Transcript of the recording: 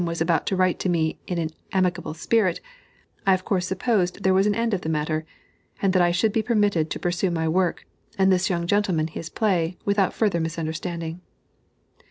was about to write to me in an amicable spirit, I of course supposed there was an end of the matter, and that I should be permitted to pursue my work, and this young gentleman his play, without further misunderstanding.